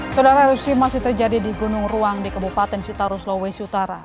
sodara erupsi masih terjadi di gunung ruang di kebupaten sitaruslawes utara